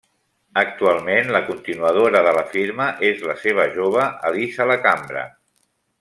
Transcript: Actualment la continuadora de la firma és la seva jove Elisa Lacambra.